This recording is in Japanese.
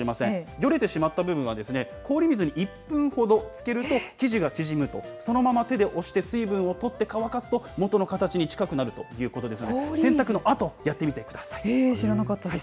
よれてしまった部分は、氷水に１分ほどつけると生地が縮むと、そのまま水分を取って乾かすと、元の形に近くなるということですので、へぇ、知らなかったです。